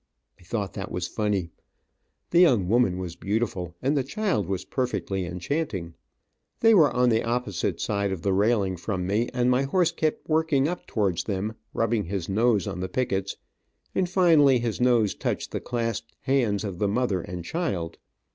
I thought that was funny. The young woman was beautiful, and the child was perfectly enchanting. They were on the opposite side of the railing from me, and my horse kept working up towards them, rubbing his nose on the pickets, and finally his nose touched the clasped hands of the mother and child.